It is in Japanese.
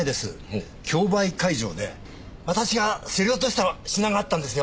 競売会場で私が競り落とした品があったんですよ。